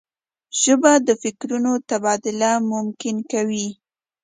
ژبه د فکرونو تبادله ممکن کوي